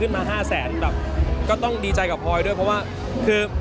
ขึ้นมา๕แสนอีกแสนแปบก็ต้องดีใจกับพอย์ด้วยเพราะว่าคือ